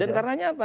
dan karenanya apa